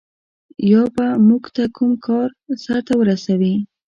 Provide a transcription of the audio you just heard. یا به موږ ته کوم کار سرته ورسوي.